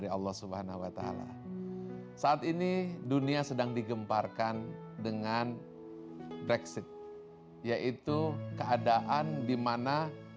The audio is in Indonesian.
allah subhanahu wa ta'ala saat ini dunia sedang digemparkan dengan brexit yaitu keadaan dimana